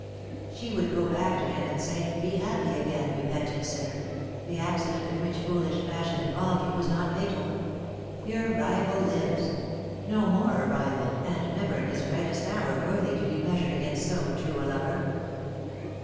She would go back to him and say, " Be happy again, repentant sinner ; the accident in which foolish passion involved you was not fatal. Your rival lives; no more a rival, and never in his brightest hour worthy to be measured against so true a lover."